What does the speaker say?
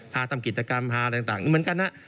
ทำกิจกรรมพาอะไรต่างเหมือนกันฮะ